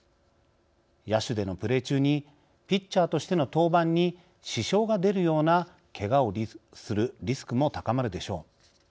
野手でのプレー中にピッチャーとしての登板に支障が出るような、けがをするリスクも高まるでしょう。